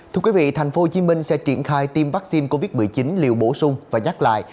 thưa quý vị thành phố hồ chí minh sẽ triển khai tiêm vaccine covid một mươi chín liều bổ sung và nhắc lại